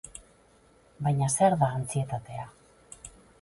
Baina, zer da antsietatea?